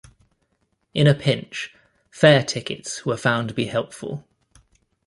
In a pinch, "fare tickets" were found to be helpful.